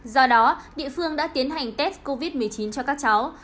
do đó địa phương đã tiến hành test covid một mươi chín cho các cháu